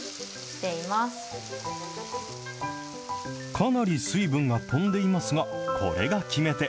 かなり水分が飛んでいますが、これが決め手。